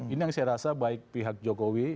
ini yang saya rasa baik pihak jokowi